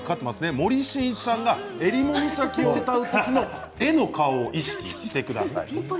森進一さんが「襟裳岬」を歌う時の「え」の顔を意識してください。